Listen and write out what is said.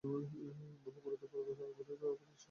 বহু গুরুত্বপূর্ণ কর্পোরেশনের প্রধান কার্যালয় এই শহরে অবস্থিত।